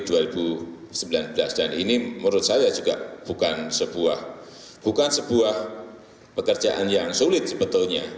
dan ini menurut saya juga bukan sebuah pekerjaan yang sulit sebetulnya